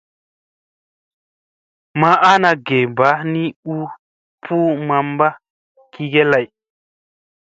Ma ana ge mba ni u puu mamba gige lay.